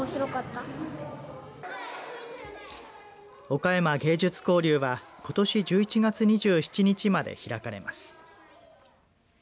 岡山芸術交流はことし１１月２７日まで開かれます。